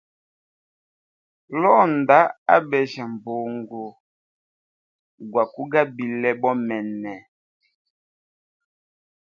Londa abejya mbungu gwakugabile bomene.